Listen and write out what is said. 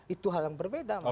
itu hal yang berbeda